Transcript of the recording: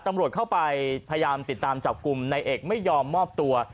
ตำรวจเข้าไปพยายามติดตามจับกลุ่มนายเอกไม่ยอมมอบตัว